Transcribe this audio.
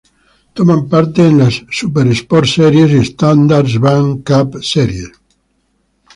Toman parte en las Supersport Series y Standard Bank Cup Series.